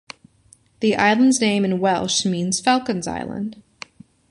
The island's name in Welsh means "falcon's Island".